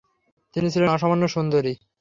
তিনি ছিলেন অসামান্যা সুন্দরী।